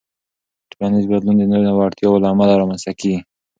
ټولنیز بدلون د نوو اړتیاوو له امله رامنځته کېږي.